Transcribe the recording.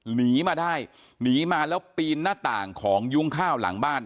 หนีมาได้หนีมาแล้วปีนหน้าต่างของยุ้งข้าวหลังบ้าน